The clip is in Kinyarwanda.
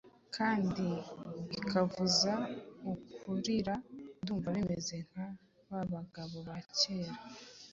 kandi ikavuza Kurira ndumva bimeze nka babagabo ba kera.